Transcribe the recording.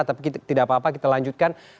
tapi tidak apa apa kita lanjutkan